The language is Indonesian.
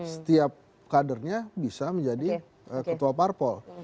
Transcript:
setiap kadernya bisa menjadi ketua parpol